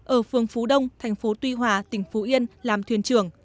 ở phường phú đông thành phố tuy hòa tỉnh phú yên làm thuyền trưởng